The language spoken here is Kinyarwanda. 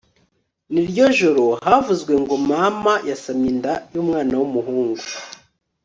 Niryo joro havuzwe ngo mama yasamye inda yumwana wumuhungu